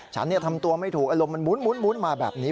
ทำตัวไม่ถูกอารมณ์มันมุ้นมาแบบนี้